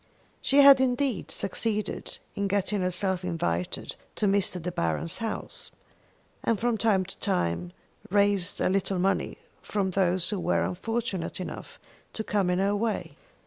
She had indeed succeeded in getting herself invited to Mr. De Baron's house, and from time to time raised a little money from those who were unfortunate enough to come in her way.